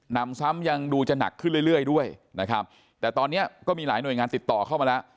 นำซ้ำยังดูจะหนักขึ้นเรื่อยด้วยนะครับแต่ตอนนี้ก็มีหลายหน่วยงานติดต่อเข้ามาแล้ว